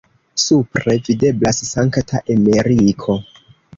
Supre videblas Sankta Emeriko.